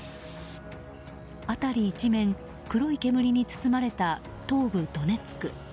辺り一面、黒い煙に包まれた東部ドネツク。